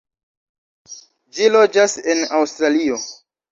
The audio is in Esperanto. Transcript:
Ĝi loĝas en Aŭstralio.